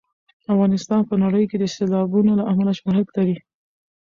افغانستان په نړۍ کې د سیلابونو له امله شهرت لري.